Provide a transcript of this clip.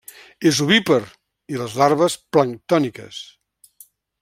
És ovípar i les larves planctòniques.